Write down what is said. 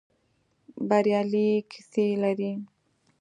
بریالۍ کيسې لري.